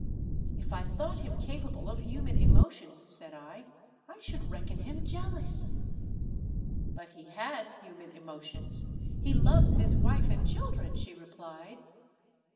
" If I thought him capable of human emotions," said I, "I should reckon him jealous." " But he has human emotions— he loves his wife and children," she replied.